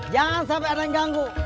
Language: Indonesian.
jangan sampai ada yang ganggu